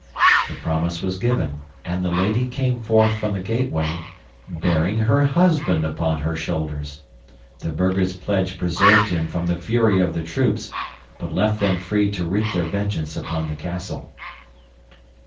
The promise was given, and the lady came forth from the gateway, bearing her husband upon her shoulders. The burghers' pledge preserved him from the fury of the troops but left them free to wreak their vengeance upon the castle.